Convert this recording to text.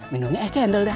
minumnya es cendol dah